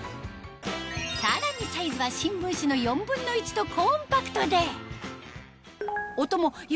さらにサイズは新聞紙の４分の１とコンパクトで音も４０